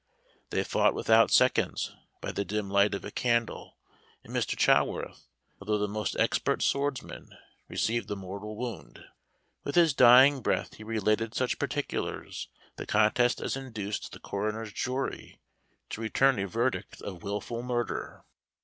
They fought without seconds, by the dim light of a candle, and Mr. Chaworth, although the most expert swordsman, received a mortal wound. With his dying breath he related such particulars the contest as induced the coroner's jury to return a verdict of wilful murder.